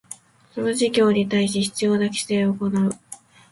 その事業に対し必要な規制を行う